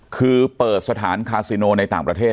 คือเปิดสถานคาซิโนในต่างประเทศ